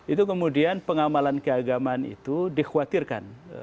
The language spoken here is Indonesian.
itu kemudian pengamalan keagamaan itu dikhawatirkan